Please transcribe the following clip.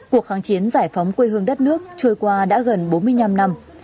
cuộc kháng chiến giải phóng quê hương đất nước trôi qua đã gần bốn mươi năm năm